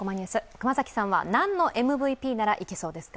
熊崎さんは何のＭＶＰならいけそうですか。